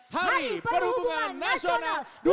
hari perhubungan nasional dua ribu dua puluh